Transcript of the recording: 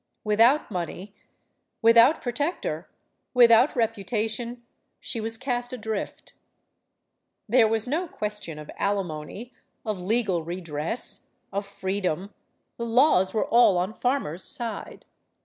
Without money, with out protector, without reputation, she was cast adrift. There was no question of alimony, of legal redress, of freedom; the laws were all on Farmer's side.